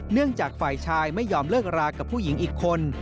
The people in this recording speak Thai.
จากฝ่ายชายไม่ยอมเลิกรากับผู้หญิงอีกคน